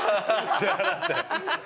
支払って。